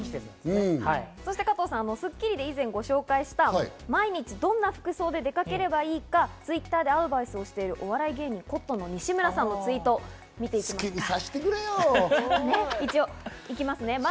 『スッキリ』で以前ご紹介した、毎日どんな服装で出かければいいかＴｗｉｔｔｅｒでアドバイスをしているお笑い芸人・コットンの西村さんのツイートを見ていきましょうか。